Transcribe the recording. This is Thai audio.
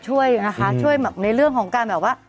ช่วยนะคะช่วยแบบในเรื่องของการแบบว่า